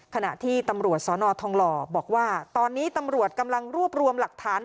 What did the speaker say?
ขณะที่ตำรวจสนทองหล่อบอกว่าตอนนี้ตำรวจกำลังรวบรวมหลักฐาน